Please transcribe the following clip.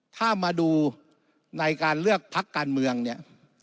ถ้ามาดูในการเลือกพักการเมืองเนี่ย